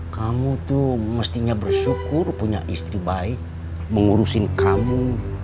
kamu tuh mestinya bersyukur punya istri baik mengurusin kamu